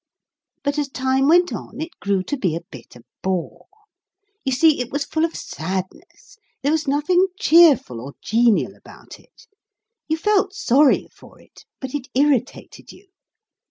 But as time went on, it grew to be a bit of a bore. You see it was full of sadness. There was nothing cheerful or genial about it. You felt sorry for it, but it irritated you.